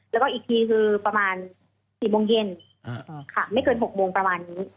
แล้วก็อีกทีคือประมาณ๔โมงเย็นค่ะไม่เกิน๖โมงประมาณนี้